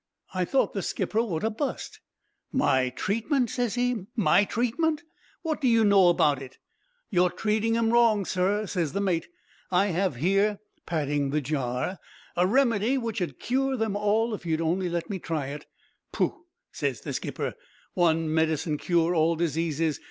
"I thought the skipper would ha' bust. "'My treatment?' ses he. 'My treatment? What do you know about it?' "'You're treating 'em wrong, sir,' ses the mate. 'I have here' (patting the jar) 'a remedy which 'ud cure them all if you'd only let me try it.' "'Pooh!' ses the skipper. 'One medicine cure all diseases!